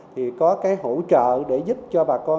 thì có cái hỗ trợ để giúp cho bà con